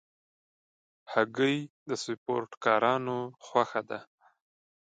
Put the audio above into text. هګۍ د سپورټکارانو خوښه ده.